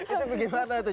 itu bagaimana tuh